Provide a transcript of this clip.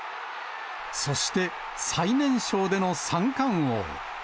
そして、最年少での三冠王。